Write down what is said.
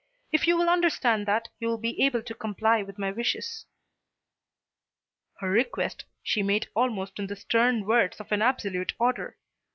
If you will understand that, you will be able to comply with my wishes." Her request she made almost in the stern words of an absolute order.